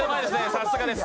さすがです。